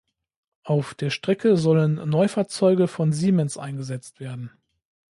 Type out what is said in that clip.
Auf der Strecke sollen Neufahrzeuge von Siemens eingesetzt werden.